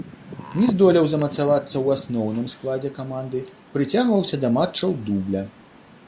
Не здолеў замацавацца ў асноўным складзе каманды, прыцягваўся да матчаў дубля.